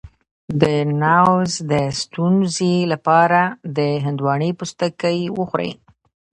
د نعوظ د ستونزې لپاره د هندواڼې پوستکی وخورئ